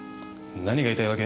何が言いたいわけ？